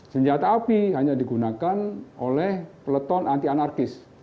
senjata api hanya digunakan oleh peleton anti anarkis